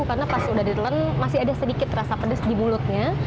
karena pas sudah ditelen masih ada sedikit rasa pedas di mulutnya